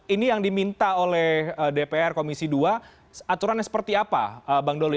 ini yang diminta oleh dpr komisi dua aturannya seperti apa bang doli